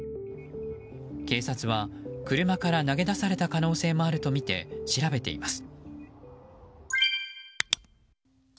警察は、車から投げ出された可能性もあるとみて調べています。